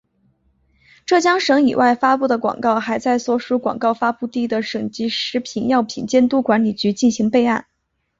浙江省以外发布的广告还在所属广告发布地的省级食品药品监督管理局进行备案。